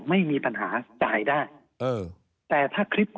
ไม่มีปัญหาจ่ายได้